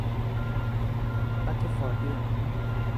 รัทเทอร์ฟอร์เดียม